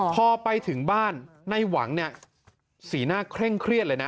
พอไปถึงบ้านในหวังเนี่ยสีหน้าเคร่งเครียดเลยนะ